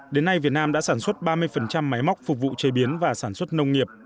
đến nay việt nam đã sản xuất ba mươi máy móc phục vụ chế biến và sản xuất nông nghiệp